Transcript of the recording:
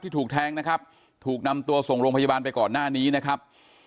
ถูกแทงนะครับถูกนำตัวส่งโรงพยาบาลไปก่อนหน้านี้นะครับ